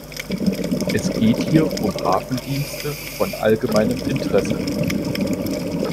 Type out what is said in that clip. Es geht hier um Hafendienste von allgemeinem Interesse.